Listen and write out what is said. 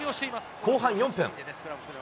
後半４分。